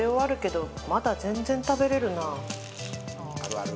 「あるある。